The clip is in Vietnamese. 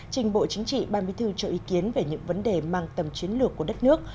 trình bộ chính trị ban bí thư cho ý kiến về những vấn đề mang tầm chiến lược của đất nước